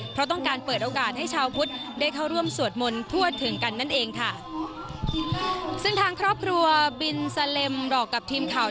เพราะต้องการเปิดโอกาสให้ชาวพุทธได้เข้าร่วมสวดมนต์ทั่วถึงกันนั่นเองค่ะซึ่งทางครอบครัวบินซาเลมบอกกับทีมข่าว